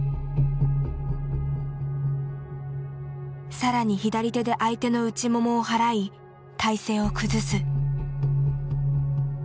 更に左手で相手の内ももを払い体勢を崩す。